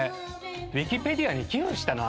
ウィキペディアに寄付したな？